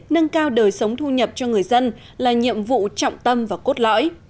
nâng cao đời sống thu nhập cho người dân là nhiệm vụ trọng tâm và cốt lõi